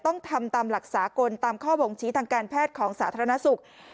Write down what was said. ต้องทำตามหลักสากลตามข้อบ่งชี้ทางการแพทย์ของสาธารณสุข